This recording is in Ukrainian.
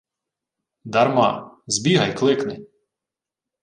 — Дарма. Збігай кликни.